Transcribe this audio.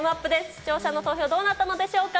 視聴者の投票、どうなったのでしょうか。